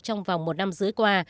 trong vòng một năm dưới qua